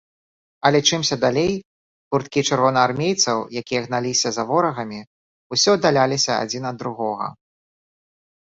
Але чымся далей, гурткі чырвонаармейцаў, якія гналіся за ворагамі, усё аддаляліся адзін ад другога.